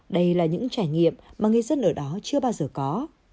đây là những trải nghiệm mà người dân ở đó chưa bao giờ có